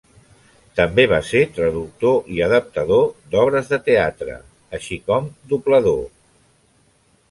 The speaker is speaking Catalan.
També va ser traductor i adaptador d'obres de teatre, així com doblador.